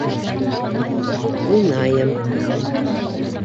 Уйнайым...